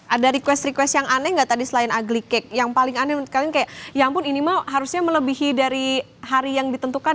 ada request request yang aneh nggak tadi selain aglike yang paling aneh kalian kayak ya ampun ini mah harusnya melebihi dari hari yang ditentukan